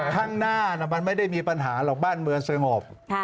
ข้างหน้ามันไม่ได้มีปัญหาหรอกบ้านเมืองสงบ